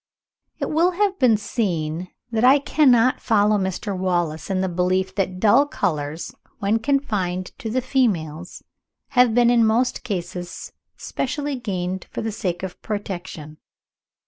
It will have been seen that I cannot follow Mr. Wallace in the belief that dull colours, when confined to the females, have been in most cases specially gained for the sake of protection.